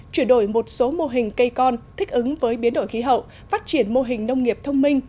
chuyển đổi một số mô hình cây con thích ứng với biến đổi khí hậu phát triển mô hình nông nghiệp thông minh